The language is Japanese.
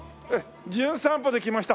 『じゅん散歩』で来ました